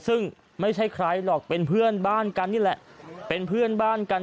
ซึ่งไม่ใช่ใครหรอกเป็นเพื่อนบ้านกันนี่แหละเป็นเพื่อนบ้านกัน